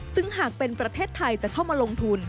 ซึ่งหากเป็นประเทศไทยจะเข้ามาลงทุน